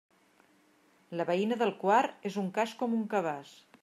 La veïna del quart és un cas com un cabàs.